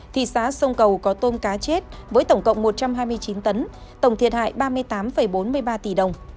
thị xã sông cầu có tôm cá chết với tổng cộng một trăm hai mươi chín tấn tổng thiệt hại ba mươi tám bốn mươi ba tỷ đồng